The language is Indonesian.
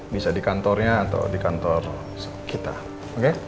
bisa di kantornya atau di kantor kita oke